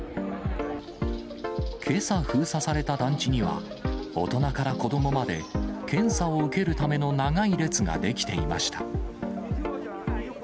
けさ、封鎖された団地には、大人から子どもまで、検査を受けるための長い列が出来ていました。